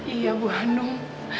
iya ibu hanum